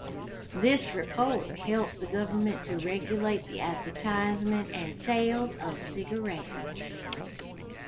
This report helped the government to regulate the advertisement and sales of cigarettes.